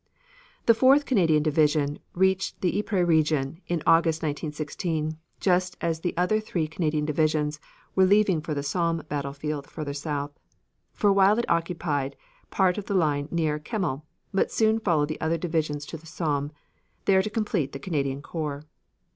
The Fourth Canadian Division reached the Ypres region in August, 1916, just as the other three Canadian divisions were leaving for the Somme battle field farther south. For a while it occupied part of the line near Kemmel, but soon followed the other divisions to the Somme, there to complete the Canadian corps.